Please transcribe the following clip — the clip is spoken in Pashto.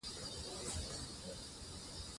د امیر کروړ شعر ژبه ډېره سلیسه او روانه ده.